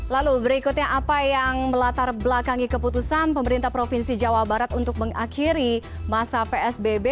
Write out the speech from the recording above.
lalu berikutnya apa yang melatar belakangi keputusan pemerintah provinsi jawa barat untuk mengakhiri masa psbb